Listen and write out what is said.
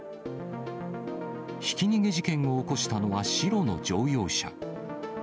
ひき逃げ事件を起こしたのは白の乗用車。